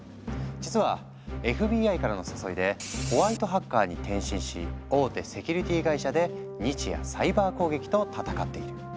実はＦＢＩからの誘いでホワイトハッカーに転身し大手セキュリティ会社で日夜サイバー攻撃と戦っている。